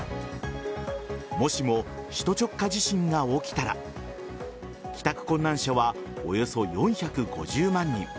もしも、首都直下地震が起きたら帰宅困難者はおよそ４５０万人。